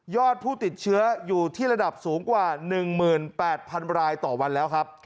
ผู้ติดเชื้ออยู่ที่ระดับสูงกว่า๑๘๐๐๐รายต่อวันแล้วครับ